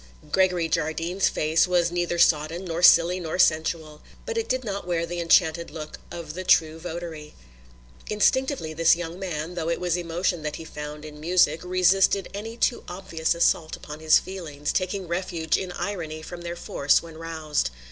Gregory Jardine's face was neither sodden nor silly nor sensual; but it did not wear the enchanted look of the true votary. Instinctively this young man, though it was emotion that he found in music, resisted any too obvious assault upon his feelings, taking refuge in irony from their force when roused.